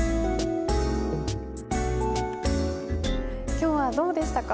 今日はどうでしたか？